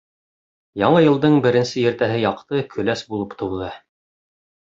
Яңы йылдың беренсе иртәһе яҡты, көләс булып тыуҙы.